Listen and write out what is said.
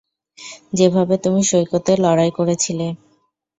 যেভাবে তুমি সৈকতে লড়াই করেছিলে?